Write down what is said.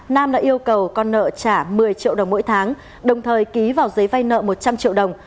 nam đã yêu cầu con nợ trả một mươi triệu đồng mỗi tháng đồng thời ký vào giấy vay nợ một trăm linh triệu đồng